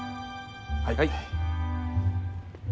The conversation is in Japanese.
はい。